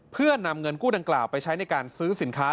เพื่อนำเงินกู้ดังกล่าวไปใช้ในการซื้อสินค้า